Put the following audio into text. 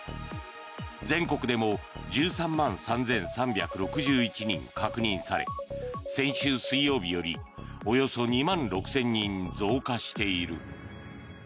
全国でも１３万３３６１人確認され先週水曜日よりおよそ２万６０００人増加している。